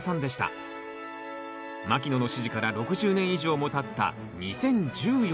牧野の指示から６０年以上もたった２０１４年のことでした。